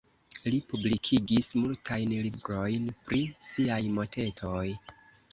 Li publikigis multajn librojn pri siaj motetoj.